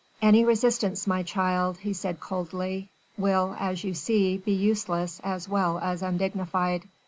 "Any resistance, my child," he said coldly, "will as you see be useless as well as undignified.